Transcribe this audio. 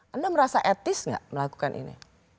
anda merasa etis nggak melakukan ini